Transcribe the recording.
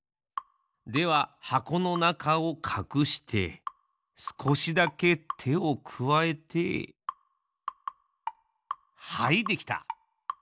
でははこのなかをかくしてすこしだけてをくわえてはいできた！